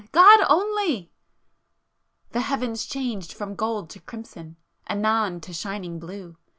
God only!" The heavens changed from gold to crimson—anon to shining blue